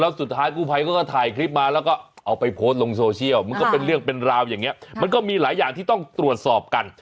สุดท้ายกู้ภัยเขาก็ถ่ายคลิปมาแล้วก็เอาไปโพสต์ลงโซเชียลมันก็เป็นเรื่องเป็นราวอย่างนี้มันก็มีหลายอย่างที่ต้องตรวจสอบกัน